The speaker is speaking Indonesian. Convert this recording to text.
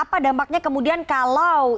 apa dampaknya kemudian kalau